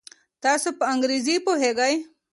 تاسو په انګریزي پوهیږئ؟